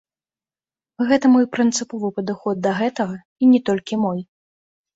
Гэта мой прынцыповы падыход да гэтага, і не толькі мой.